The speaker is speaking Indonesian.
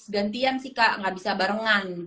gantian sih kak gak bisa barengan